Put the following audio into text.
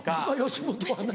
吉本はな。